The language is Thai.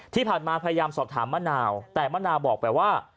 ที่ผ่านมาพยายามสอบถามมะนาวแต่มะนาวบอกแปลว่า